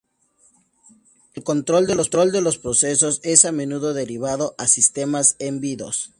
El control de los procesos es a menudo derivado a sistemas embebidos.